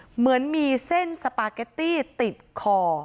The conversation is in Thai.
เหมือนมีเส้นสปาเกตตี้ติดคอ